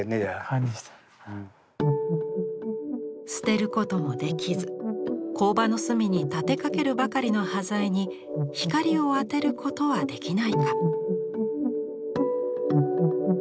捨てることもできず工場の隅に立てかけるばかりの端材に光を当てることはできないか？